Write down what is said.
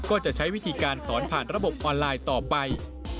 ก็จะใช้วิธีการสอนผ่านระบบออนไลน์ต่อไป